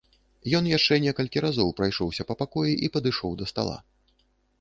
Ён яшчэ некалькі разоў прайшоўся па пакоі і падышоў да стала.